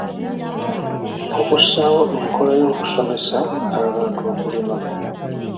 Okussaawo enkola y'okusomesa abantu okulima.